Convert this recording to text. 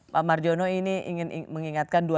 pak marjono ini ingin mengingatkan